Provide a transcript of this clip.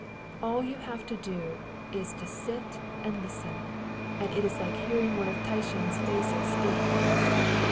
All you have to do is to sit and listen ; and it is like hearing one of Titian's faces speak.